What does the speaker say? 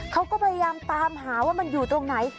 เขาก็พยายามตามหาว่ามันอยู่ตรงไหน